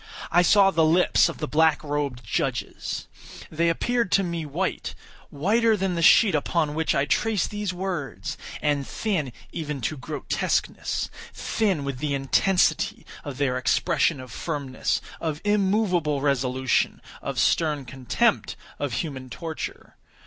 I saw the lips of the black robed judges. They appeared to me white—whiter than the sheet upon which I trace these words—and thin even to grotesqueness; thin with the intensity of their expression of firmness—of immoveable resolution—of stern contempt of human torture.